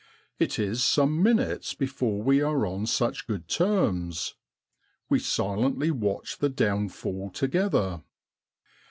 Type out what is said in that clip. It is some minutes before we are on such good terms; we silently watch the downfall together.